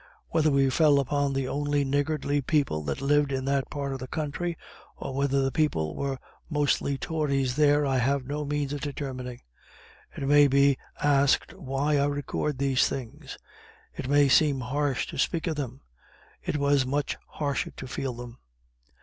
Whether we fell upon the only niggardly people that lived in that part of the country, or whether the people were mostly tories there, I have no means of determining. It may be asked why I record these things? It may seem harsh to speak of them; it was much harsher to feel them.